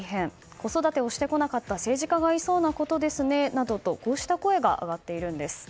子育てをしてこなかった政治家が言いそうなことですねなどとこうした声が上がっています。